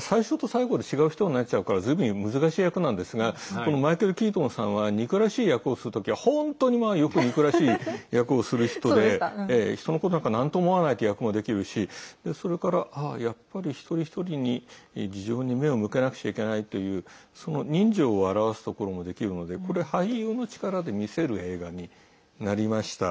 最初と最後で違う人になっちゃうからずいぶん難しい役なんですがこのマイケル・キートンさんは憎らしい役をする時は本当に憎らしい役をする時は本当に、まあよく憎らしい役をする人で人のことなんかなんとも思わないという役もできるしそれから、やっぱり一人一人に事情に目を向けなくちゃいけないというその人情を表すところもできるのでこれ、俳優の力で見せる映画になりました。